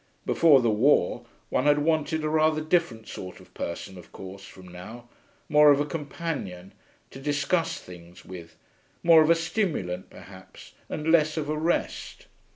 Before the war one had wanted a rather different sort of person, of course, from now; more of a companion, to discuss things with; more of a stimulant, perhaps, and less of a rest.